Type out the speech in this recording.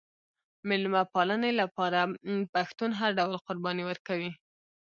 د میلمه پالنې لپاره پښتون هر ډول قرباني ورکوي.